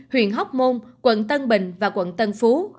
huyện hóc môn quận tân bình và quận tân phú